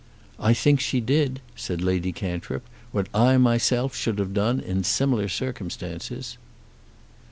"I think she did," said Lady Cantrip, "what I myself should have done in similar circumstances."